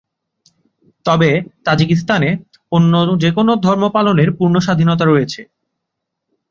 তবে তাজিকিস্তানে অন্য যেকোনো ধর্ম পালনের পূর্ণ স্বাধীনতা রয়েছে।